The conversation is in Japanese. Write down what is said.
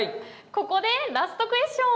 ここでラストクエスチョン！